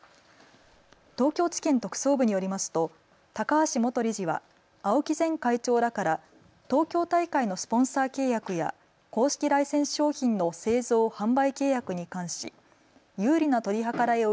東京地検特捜部によりますと高橋元理事は青木前会長らから東京大会のスポンサー契約や公式ライセンス商品の製造・販売契約に関し有利な取り計らいを